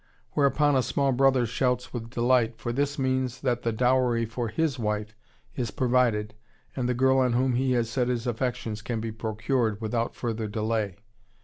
Whereupon a small brother shouts with delight, for this means that the dowry for his wife is provided and the girl on whom he has set his affections can be procured without further delay.